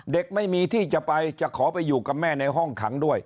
เด็กไม่มีที่จะไปจะขอไปอยู่กับแม่ในห้องขังด้วย